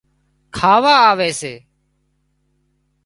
کاواآوي سي